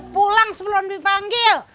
pulang sebelum dipanggil